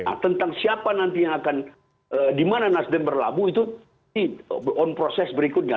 nah tentang siapa nanti yang akan di mana nasdem berlabuh itu on proses berikutnya